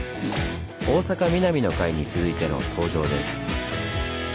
「大阪ミナミ」の回に続いての登場です。